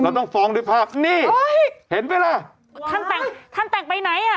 ต้องฟ้องด้วยภาพนี่เห็นไหมล่ะท่านแต่งท่านแต่งไปไหนอ่ะ